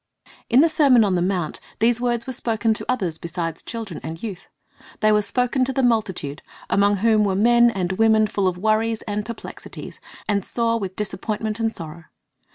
In the sermon on the mount these words were spoken to others besides children and youth. They were spoken to the multitude, amono whom were men and women full of worries and perplexities, and sore with disappointment and sorrow.